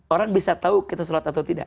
orang bisa tahu kita sholat atau tidak